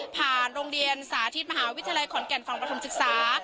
โรงเรียนสาธิตมหาวิทยาลัยขอนแก่นฝั่งประถมศึกษา